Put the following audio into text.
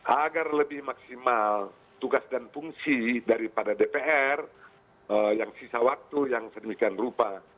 agar lebih maksimal tugas dan fungsi daripada dpr yang sisa waktu yang sedemikian rupa